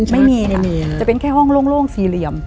ไม่มีไม่มีจะเป็นแค่ห้องโล่งสี่เหลี่ยม